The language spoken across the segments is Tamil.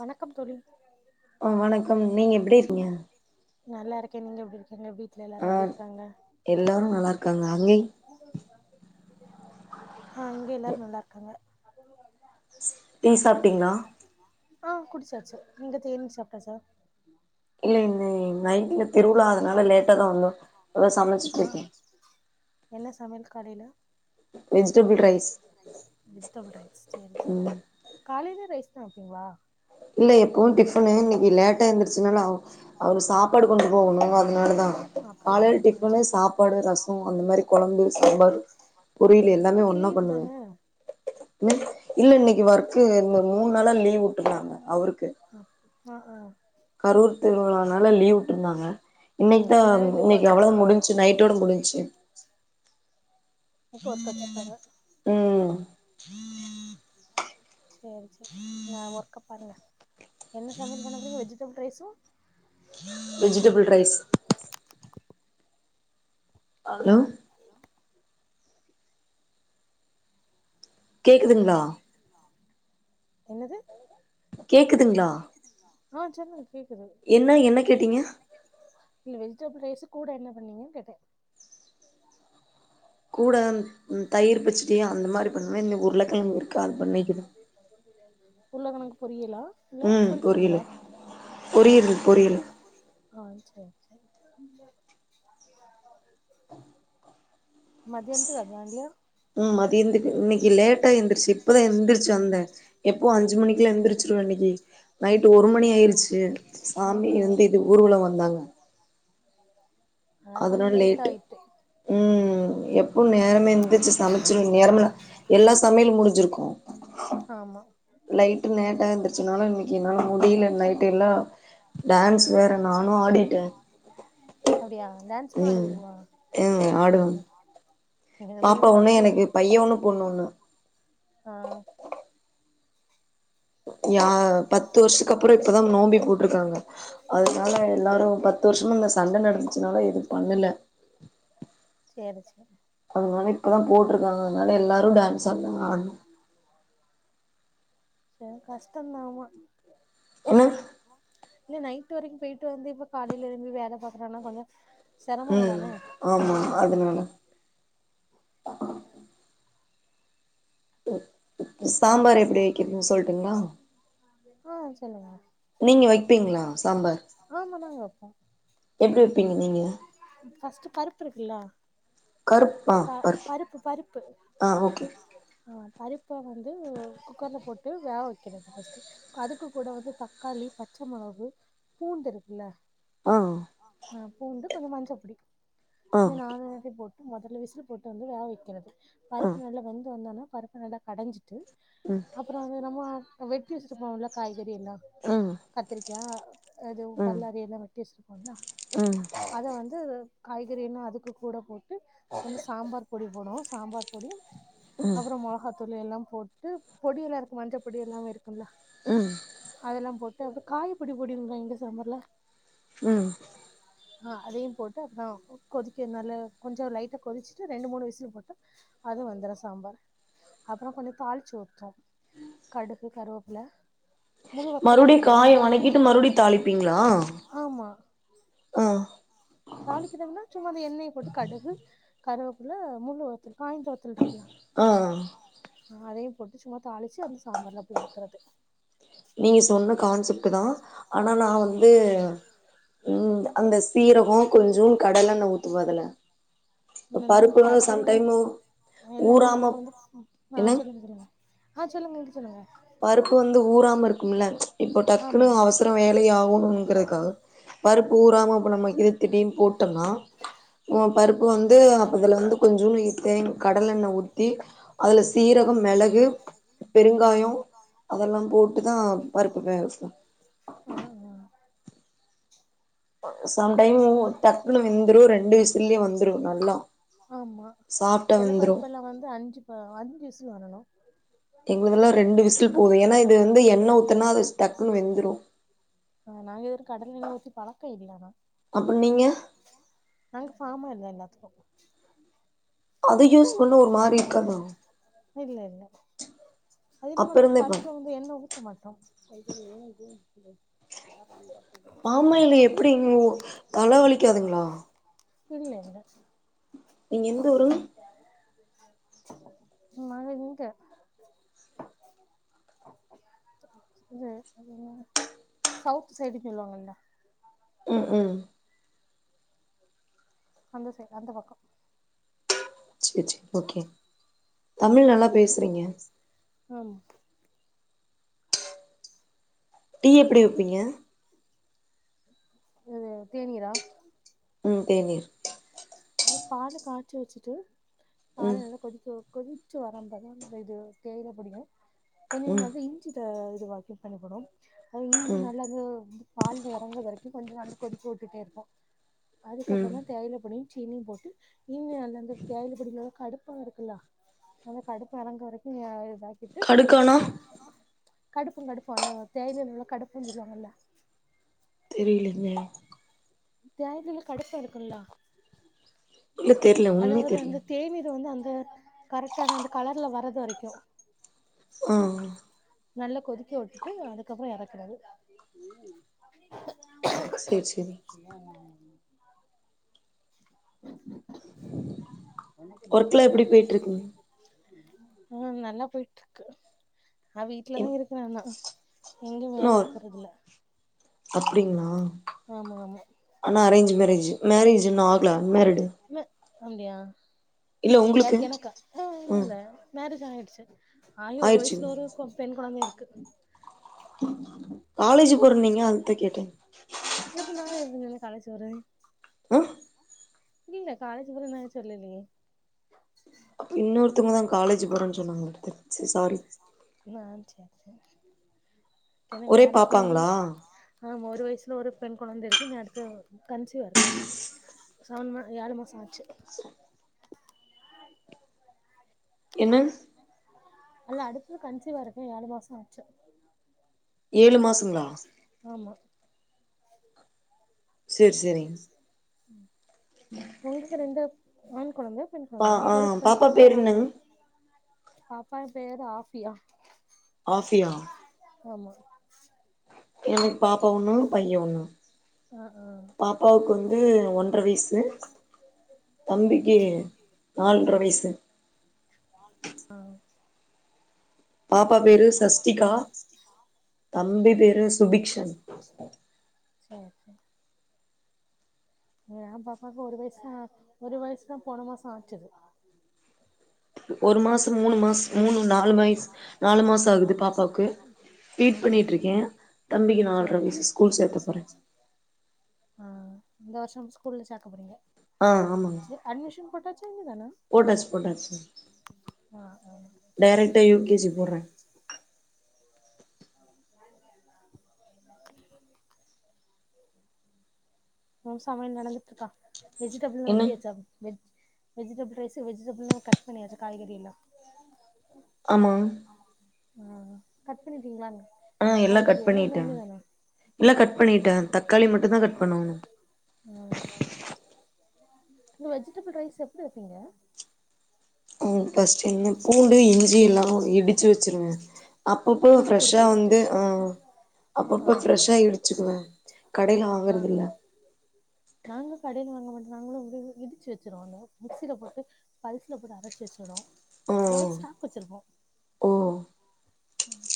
வணக்கம் தோழி ஆஹ் வணக்கம் நீங்க எப்படி இருக்கீங்க நல்லா இருக்கேன் நீங்க எப்படி வீட்ல எல்லாரும் எப்படி இருக்காங்க காங்க இல்லை ஆஹ் இங்க எல்லாரு நல்லா இருக்காங்க டீ சாப்ட்டீங்களா நீங் சாப்ட்டீங்ளா ஆஹ் குடிச்சாச்சு நீங்க தேனீர் சாப்ட்டாச்சா இல்ல இனிமே நைட்ல திருவுழா அதுனால லேட்டா தா வந்தோ அதா ஆ சமச்சிட்ருக்கே என்ன சமையல் காலைல வெஜிடபிள் ரைஸ் வெஜிடபிள் ரைஸ் சேரி சேரி ம் காலையே ரைஸ் சாப்ட்டீங்ளா இல்ல எப்பவு டிஃபனு இன்னைக்கு லேட்டா எந்துருச்சனால அவர் அவரு சாப்பாடு கொண்டு போகணு அதுனாலதா அப்டி காலைல ஆ டிஃபனு சேரி சாப்பாடு ரசம் அந்த மாரி கொழம்பு சாம்பாரு பொரியல் எல்லாமே இன்னைக்கு ஒன்னா லீவு பண்ணுவே தான உம் இல்ல இன்னைக்கு வர்க்கு இந்த மூண் நாளா லீவ் விட்டுட்டாங்க அவருக்கு ஆஹ் ஆஹ் கரூர் திருவிழானால லீவ் விட்ருந்தாங்க இன்னைக்குதா அதனால இன்னைக்கு ஒர்க் அவளதா வச்சிருக்காங்க முடிஞ்ச்சு நைட்டோட முடிஞ்ச்சு இன்னைக்கு ஒர்க் உம் வச்சுருக்காங்க உஹம் சேரி சேரி உங்க ஒர்க்க பாருங்க என்ன சமையல் பண்ண போறீங்க vegetable rice vegetable rice hello கேக்குதுங்ளா என்னது கேக்குதுங்ளா ஆ சொல்லுங்க கேக்குது என்ன என்ன கேட்டீங்க இல்ல வெஜிடபிள் ரைஸு கூட என்ன பண்ணீங்கன் கேட்டே கூட உம் தயிர் பச்சடி அந்த மாரி பண்ணுவே இன்னி உருளக்கெழங்கு இருக்கு கால் பண்ணிக்கிறோ உருளகெழங்கு பொரியலா இல்ல ம் பொறிக்கிறீங்களா பொரியலு பொரியல் பொரியல் ஆ செரி செரி மத்தியானதுக் அதான்டி இன்னிக் இ லேட்டா எந்திருச்சி இப்பதா எந்திரிச்சி வந்தே எப்பவ் அஞ்சு மணிக்குலா எந்திரிச்சுருவே இன்னைக்கி நைட்டு ஒரு ஆமா மணி நைட் ஆயிர்ச்சு ஆ சாமி ஆ இந் இது ஊர்வலோ வந்தாங்க அதனால கொஞ்ச அதனாட லேட் லேட்டு் ஆயிட்டு ம் எ போ நேரமே எந்திச்சு சமைச்சுருவே நேரமில்ல எல்லா சமையலு முடிஞ்சிருக்கூ ஆமா லைட்டு நேட்டா எந்துர்ச்சனொன இன்னிக்கி என்னால முடிய்ல நைட்டு எல்லா டேன்ஸ் வேற நானு ஆடிட்ட அப்டியா டான்ஸ்லா ஆட ம் தெரியுமா எங் ஆடுவ பாப்பா எனக்கெல்லா ஒன்னு அதுக்கு எனக்கு இதுக்கு பைய ஒன்னு பொண்ணு ஒன்னு ஆ யா பத்து வருஷத்துக்கப்பற இப்பதா நோம்பி போட்ருக்காங்க அதனால எல்லாரு பத்து வருஷமா இந்த சண்ட நடந்துச்சுனால எது பண்ணல சேரி சேரி அதனால இப்பதா போட்ருக்காங்க அதனால எல்லாரு டான்ஸ் ஆடனாங்க சேர்க்கா சே த்தா மாமா என்ன இல்ல நைட்டு வரைக்கு போயிட்டு வந்து இப்ப காலைல எழும்பி வேல பாக்குறனா கொஞ்ச ம் ஆமா அதுனால சாம்பார் எப்டி வைக்கிறதுன்னு சொல்ட்டுங்களா ஆ சொல்லுங்க நீங்க வைப்பீங்களா சாம்பார் ஆமா நாங்க வைப்போ எப்டி வைப்பீங்க நீங்க ஃபஸ்ட்டு பருப்பு இருக்குல்ல கருப் ஆ ப பருப்பு பருப்பு ஆ ஓகே ஆ பருப்பே வந்து குக்கர்ல போட்டு வேக வைக்கறது ஃபஸ்டு அதுக்கு கூட வந்து தக்காளி பச்சமொளகு பூண்டு இருக்குல்ல ஆ அப்ப வந்து கொஞ்ச மஞ்சப் பொடி ஆ இந்த ஓகே நாலென்தயூ போட் மொதல்ல விசிலு போட்டு வந்து வேவ வெக்கிறது ஆ பருப்பு நல்லா வெந்து வந்தோன்ன பருப்ப நல்லா கடஞ்சிட்டு ம் அப்பறோ வந்து நம்ம வெட்டி வச்சுட்டு போனோல காய் தெரியுல்ல ம் கத்திரிக் யா அது ம் பல்லாரி எல்லா வெட்டி வச்சுரு அவ்ளா ம் அத வந்து காய்கறினா அதுக்கு கூட போட் கொஞ்சம் சாம்பார் பொடி போடும் சாம்பார் பொடி ம் அப்புறம் மொளகாத் பொடி எல்லாம் போட்டு பொடி எல்லாம் இருக்கு மஞ்சள் பொடி எல்லாம் இருக்கு ம் அதெல்லாம் போட்டு காய பொடி போடுவீங்ளா இந்த சாம்பார்ல உம் ஆஹ் அதையும் போட்டு அப்புறம் கொதிக்க நல்ல கொஞ்ச லைட்டா கொதிச்சுட்டு ரெண்டு மூணு விசுல போட்டு அது வந்துடும் சாம்பார் அப்புறம் கொஞ்சம் தாளிச்சு ஊத்தம் கடுகு கருவேப்பில முழு வத்தல் மறுபடி இருக்குல்ல காய காய் வணக்கிட்டு மறுபடி தாளிப்பீங்களா ஆஹ் தாளிக்கதம்னா சும்மா அந்த எண்ணெயை போட்டு கடுகு கருவேப்புள்ள முழுவத்தல் காய்ந்த வத்தல் இருக்குலயா ஆ ஹ் அதையும் போட்டு சும்மா தாளிச்சு அந்த சாம்பார்ல அப்டி ஊத்துறது நீங்க சொன்ன கான்செப்ட் தான் ஆனா நான் வந்து அந்த சீரகம் கொஞ்ச கடலண்ண ஊத்து மொதல இந்த நாங்க பருப்பு கடலெண்ணெய் சம்டைம் எல்லாமே ஊறாம நாங்க வந்து ஆ என்ன சொல்லுங்க சொல்லுங்க ஆ சொல்லுங்க எக்கு சொல்லுங்க பருப்பு வந்து ஊறம இருக்கும்ல இப்போ டக்குன்னு ஆமா அவசரம் வேலை ஆகணும்ங்கிறதுக்காக பருப்பு ஊறாம இப்ப நம்ம இது திடின் போட்டோம்னா பருப்பு வந்து அப்பதுல வந்து கொஞ்ச தே கடலை எண்ணெய் ஊத்தி அதுல சீரகம் மிளகு பெருங்காயம் அதெல்லாம் போட்டுதான் பருப்பு வேக வேக வைப்போம் ஆ ஆ ஆ ரெண்டு விசில்லயே வந்துரு நல்லா ஆமா சாஃப்டா சில வெந்துரு பருப்பெல்லாம் வந்து அஞ்சு அஞ்சு விசுலு வரணும் எங்கதெல்லாம் ரெண்டு விசில் போதும் ஏன்னா இது வந்து எண்ண ஊத்தனா அது டக்குன்னு வெந்துடும் ஆஹ் நாங்க [unintelligible] கடல எண்ண ஊத்தி பழக்கம் இல்ல ஆனா அப்ப நீங்க [unintelligible] எல்லாத்துக்கும் அது யூஸ் பண்ண ஒரு மாதிரி இருக்காதா இல்ல இல்ல அது அப்ப இல்லாம நாங்க இருந்தே பா பருப்புல வந்து என்ன ஊத்த மாட்டோம் [unintelligible] பாமாயில் எப்படி [unintelligible] தலைவலிக்காதுங்களா இல்ல இல்ல நீங்க எந் த ஊரு நாங்க இங்க, இங்க இங்க சவுத் சைடுனு சொல்லுவாங்கல்ல ம் ம் அந்த சைடு அந்த பக்கோ சேரி சேரி ஓகே, தமிழ் நல்லா பேசுறீங்க ம் டீ எப்டி வப்பீங்க எது தேநீரா? ம் தேநீர் அது பால் காய்ச்சி வச்சுட்டு பாலு ம் நல்லா கொதிச்சோ கொதிச்சு வரம்பதா அந்த இது தேயிலப் பொடியு கொஞ்சோ ம் வந்து இஞ்சி இந்த இதுவாச்சு பண்ணிக்கனு அது இஞ்சி ம் நல்ல அது பால்ல எறங்கற வரைக்கு கொஞ்ச நல்லா கொதிக்க வுட்டுட்டே இருப்போ ம் அதுக்கப்புறந்தா தேயிலப்பொடி சீனி போட்டு இன்னு அந்தந்த தேயிலப் பொடில கடுப்பா இருக்குல்ல அந்த கடுப்பா எறங்கற வரைக்கு அ எதா கடுக்கானா கடுப்பு கடுப்பு அந்த தேயிலயில உள்ள கடுப்புனு சொல்லுவாங்கல்ல தெரிலிங்க தேயிலைல கடுப்ப இருக்குல்ல இல்ல தெர்ல உண்மையா அதாவது தெர்ல அந்த தேநீர வந்து அந்த அது கரெக்டான அந்த கலர்ல வரது வரைக்கு ஆ நல்லா கொதிக்க வுட்டுட்டு அதுக்கப்பறோ எறக்குறது சேரி சேரி சின்ன சின்ன ஒர்க்லா எப்டி போய்ட்டு இருக்குங்க, ஆ நல்லா போயிட்டு இருக்கு நா வீட்லதா இருக்ற நா எங்கயு வேலைக்கு போறது இல்ல ப்டிங்ளா ஆனா அரேஞ்ச் மேரேஜ், மேரேஜ்ன்னு ஆகல அன் மேரிடு இல்ல அப்டியா யாருக்கு எனக்கா ஆ ம் இல்ல மேரே ஜ் ஆயிடுச்சு ஆகி ஒரு ஆயிடுச்சுங்க வயசுல ஒரு பொ பெண் குழந்தையு இரு க்கு காலேஜ் போறன்னீங்க அதுக்குதா கேட்டே எப்ப நா எப்பன்ன கலச்சு வறே [unintelligible] இல்ல காலேஜ் போல ந சொல்லலையே ப்ப இன்னொருத்தங்கதா காலேஜ் போறேன்னு சொன்னாங்க எடுத்து ச சாரி நா சரி சரி என்ன ஒரே மேரேஜ் முடி்ச பாப்பாங்களா ஆஹமா ஒரு வயசுல ஒரு பெண் குழந்த இருக்க இன்னு அடுத்து கன்சுவா இருக்கே சவன் மா ஏழு மாசம் ஆச்சு என்ன அல்ல அடுத்தது கன்சிவா இருக்கே ஏழு மாசம் ஆச்சு ஏழு மாசங்களா ஆமா சரி சரி உம் உங்களுக்கு ரெந்த ஆண் குழந்த பெண் பா குழந்தையா ஆ ஒரு பெண் பாப்பா குழந்தை பேரு ஒரு ஆண் என்னங்க குழந்த பாப்பா பேரு ஆபியா ஆஃபியா ஆமா எனக்கு பாப்பா ஒண்ணும் பைய ஒண்ணும் ஆ ஆ பாப்பாக்கும் உம் ஒன் ர வயசு தம்பிக்கு நாலர வயசு ஆஹ் பாப்பா பேரு சஷ்டிகா தம்பி பேரு சுபிக்ஷன் சரி சரி என் பாப்பாவுக்கு ஒரு வயசு ஒரு வயசுதா போன மாசம் ஆச்சு ஒரு மாசம் மூணு மாசம் மூணு நாலு வயசு நாலு மாசம் ஆகுது பாப்பாவுக்கு ஆ பீட் ஆ பண்ணிட்டு இருக்கேன் தம்பிக்கு சேரி நாலரை சேரி வயசு ஸ்கூல் சேர்த்த போறே ஆஹ் இந்த வருஷம் ஸ்கூல்ல சேக்க போறீங்க ஆ ஆமாங்க அட்மிஷன் போட்டாச் போட்டாச்சு போட்டாச்சுங்க ஆ ஆ டெரெக்டா யூ கே ஜி போறாங்க ஒசமையல் நடந்துட்டு இருக்கா வெஜிடேபிள் எல்லா என்ன வெட்டியாச்சா veg vegetable rice vegetable cut பண்ணியாச்ச காய்கறி எல்லா ஆமா கட் பண்ணிடீங்களனா ஆஹ் எல்லாம் கட் பண்ணிட்டே எல்லா கட் பண்ணிட்டே தக்காளி மட்டுதான் கட் பண்ணும் ந்த வெஜிடெபிள் ரைஸ் எப்டி வைப்பீங்க உம் ஃபர்ஸ்டு பூண்டு இஞ்சி எல்லாம இடிச்சு வச்சிருவேன் அப்பப்போ இஞ்சி பூண்டு ஃப்ரெஷ்ஷா பேஸ்ட்டு வந்து ஆஹ் ஆ அப்பப்போ ஃப்ரெஷ்ஷா இடிச்சுக்குவ கடையில ஆ ஆ வாங்றது இல்ல ஆ நாங்க கடையில வாங்க மாட்டோ நாங்களு வந்து இடிச்சு வச்சுருவாங்க அந்த மிக்சியில போட்டு பல்சல போட்டு அரைச்சு வச்சிடோவோ உம் உம் வச்சிருபோ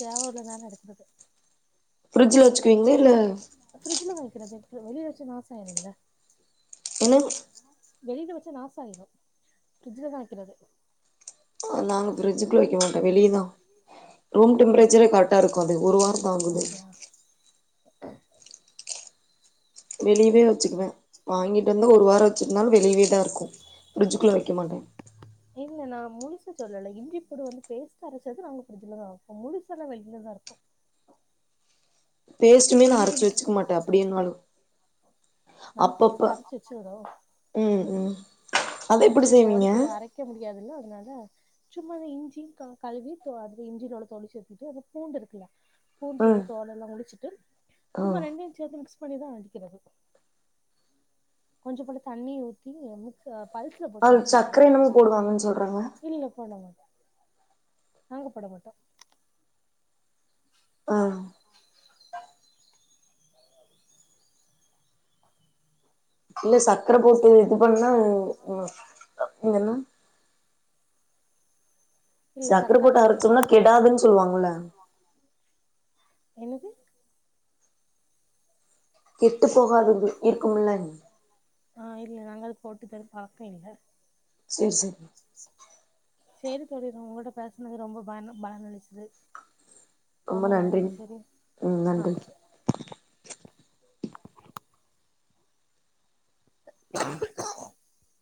தேவலதானே இருக்குது பிரட்ஜ்ல வச்சுக்குவீங்களா இல்ல வைக்கிறது வெளிய வச்சா நாச ஆயிரும்ல என்னங் வெளியில வச்சா நாச ஆகிடு பிர்ஜ்ல தா வைக்கிறது ஆ ரூம் ஆ டெம்பரேச்சரே கரட்டா இருக்காது ஒரு வாரோ தாங்குது ஆ வெளியவே வச்சுக்குவே வாங்கிட் இந்து ஒரு வாரோ வச்சிக்கனலு வெளியவே இதாருக்கு பிரட்ஜுகுள்ள வைக்க மாட்டே முழுசு சொல்லல இஞ்சி பூண்டு வந்து பேஸ்டா அரைச்சது நாங்க பிரட்ஜ்லதா வப்போ முழுச எல்லா வெளியிலதா இருக்கோ பேஸ்டுமே நா அரைச்சு வச்சுக்க மாட்டேன் அப்படியனாலு நாங்க பேஸ்ட் அரைச்சு வச்சுறோம் ம் ம் அத அந்த எப்டி டைம் ஓடி செய்வீங்க போய் அரைக்க முடியாதுல்ல அதனால சும்மாத இஞ்சி கழுவி அதுல இஞ்சியோட தொழ சேத்திட்டு அந்த பூண்டு இருக்குல பூண்டு நல்ல ம் தோலெல்லா உறுச்சிட்டு ஆ சும்மா ரெண்டுயும் சேர்த்து மிகஸ் பண்ணிதா அரைக்கிறது கொஞ்ச கொஞ்ச தண்ணிய ஊத்தி மிக்சில அர பல்ஸ்ல போட்டு அதுல அடிச்சு சக்கர என்னமோ வைக்கிறது போடுவாங்கன்னு சொல்றாங்க இல்ல போட மாட்டே நாங்க போட மாட்டோ ஆஹ் இல்ல ச சக்கரை போட்டு இது பண்ணா இதென்னா இல்ல சக்கரை சக்கர போட்டு போட அரைச்சோம்னா மாட்டோ கெடாதுன்னு சொல்லுவாங்கல்ல என்னது கெட்டு போகாது இருக்கும் மில்ல ஆ இல்ல நாங்க அத போட்டு தர பாக்கல்ல செரி செரி செரி தோழி உங்களோட பேசுனது ரொம்ப பய பயனளிச்து ரொம்ப நன்றி உம் ஆ நன்றி சரி [inaudible]